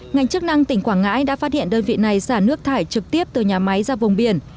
ngành chức năng tỉnh quảng ngãi đã phát hiện đơn vị này xả nước thải trực tiếp từ nhà máy ra vùng biển